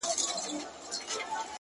مثبت فکر د ذهن سکون پیاوړی کوي